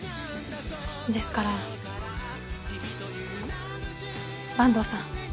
ですから坂東さん